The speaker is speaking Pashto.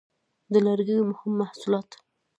د لرګیو مهم محصولات: